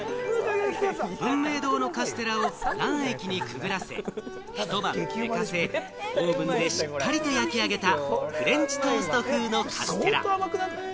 文明堂のカステラを卵液にくぐらせ、一晩寝かせ、オーブンでしっかりと焼き上げたフレンチトースト風のカステラ。